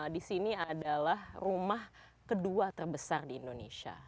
di sini adalah rumah kedua terbesar di indonesia